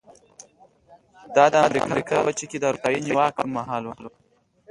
دا د امریکا لویه وچه کې د اروپایي نیواک پر مهال و.